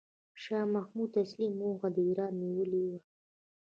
شاه محمود اصلي موخه د ایران نیول و.